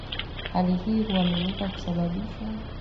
hali hii huaminika kusababisha